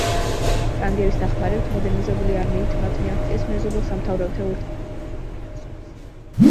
ფრანგების დახმარებით მოდერნიზებული არმიით მათ მიაღწიეს მეზობელ სამთავროებთან ურთიერთობებში უპირატესობას.